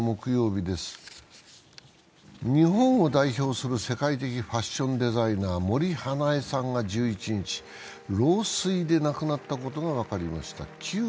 日本を代表する世界的ファッションデザイナー、森英恵さんが１１日、老衰で亡くなったことが分かりました。